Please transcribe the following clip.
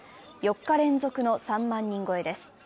４日連続の３万人超えです。